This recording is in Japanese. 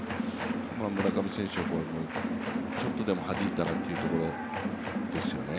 村上選手がちょっとでもはじいたらってところでしょうね。